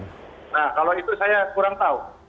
nah kalau itu saya kurang tahu